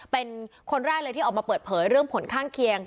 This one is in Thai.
เป็นคนแรกเลยที่ออกมาเปิดเผยเรื่องผลข้างเคียง